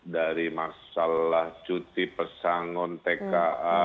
dari masalah cuti pesangon tka